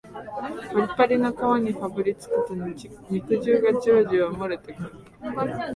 パリパリの皮にかぶりつくと肉汁がジュワジュワもれてくる